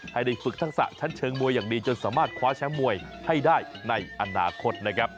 ให้ได้ฝึกทักษะชั้นเชิงมวยอย่างดีจนสามารถคว้าแชมป์มวยให้ได้ในอนาคตนะครับ